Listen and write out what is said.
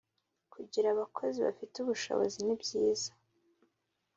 Kugira abakozi bafite ubushobozi nibyiza